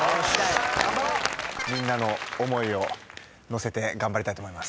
みんなの思いを乗せて頑張りたいと思います。